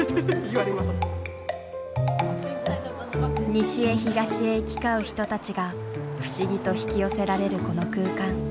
西へ東へ行き交う人たちが不思議と引き寄せられるこの空間。